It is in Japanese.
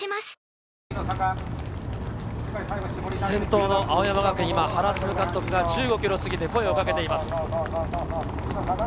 先頭の青山学院大学は原晋監督が１５ｋｍを過ぎて声をかけています。